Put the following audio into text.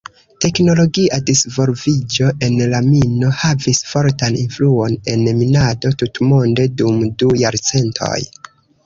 Teknologia disvolviĝo en la mino havis fortan influon en minado tutmonde dum du jarcentoj.